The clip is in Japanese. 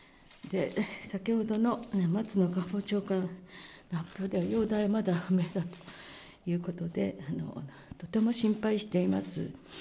先ほどの松野官房長官の発表によると、容体はまだ不明だということで、とても心配しています。